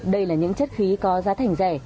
đây là những chất khí có giá thành rẻ